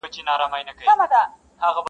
پوهېده په ښو او بدو عاقلان سوه,